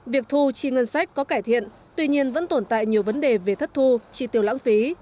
việc thu chi ngân sách có cải thiện tuy nhiên vẫn tồn tại nhiều vấn đề về thất thu chi tiêu lãng phí